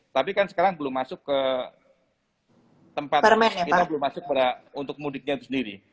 tapi kan sekarang belum masuk ke tempat untuk mudiknya itu sendiri